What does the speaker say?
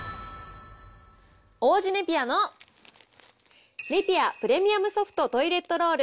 王子ネピアのネピアプレミアムソフトトイレットロール